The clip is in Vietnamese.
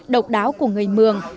độc đáo của người mường